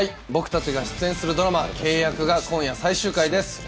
僕たちが出演するドラマ『ケイ×ヤク』が今夜最終回です。